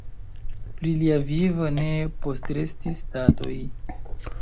Pri lia vivo ne postrestis datoj.